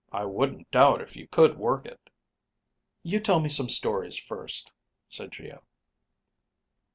I wouldn't doubt if you could work it." "You tell me some stories first," said Geo.